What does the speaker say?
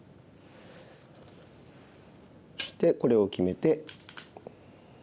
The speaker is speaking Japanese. そしてこれを決めて。